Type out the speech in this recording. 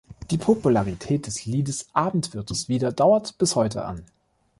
Die Popularität des Liedes "Abend wird es wieder" dauert bis heute an.